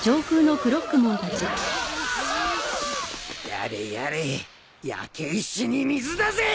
やれやれ焼け石に水だぜ！